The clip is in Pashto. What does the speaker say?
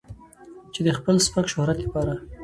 چې د خپل سپک شهرت د پاره